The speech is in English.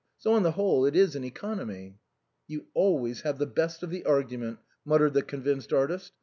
So, on tlie whole, it is an economy." " You always have the best of the argument," muttered the convinced artist.